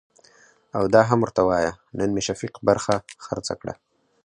او دا هم ورته وايه نن مې شفيق برخه خرڅه کړه .